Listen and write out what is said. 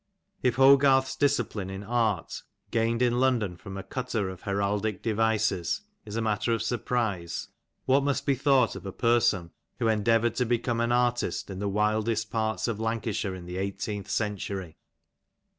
If Hogarth's discipline in art^ gained in London from a cutter of heraldic devices, is matter of surprise, what must be thought of a person who endeavoured to become an artist in the wildest parts of Lancashire in the eighteenth century